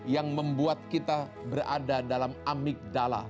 yang membuat kita berpikir bahwa kita tidak bisa mencari password yang menarik ini